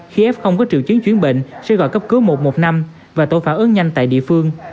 không có triệu chứng chuyến bệnh sẽ gọi cấp cứu một một năm và tổ phản ứng nhanh tại địa phương